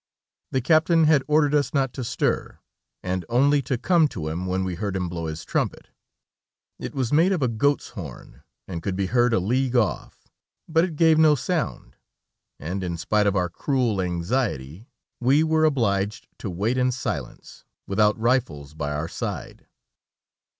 The captain had ordered us not to stir, and only to come to him when we heard him blow his trumpet. It was made of a goat's horn, and could be heard a league off, but it gave no sound, and in spite of our cruel anxiety we were obliged to wait in silence, with out rifles by our side.